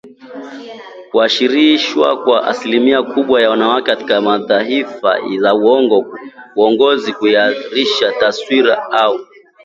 Kushirikishwa kwa asilimia kubwa ya wanawake katika nyadhifa za uongozi kunaashiria taswira au